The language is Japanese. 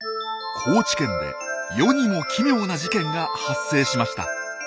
高知県で世にも奇妙な事件が発生しました。